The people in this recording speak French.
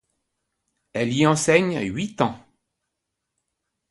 Elle y enseigne huit ans.